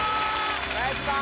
お願いします！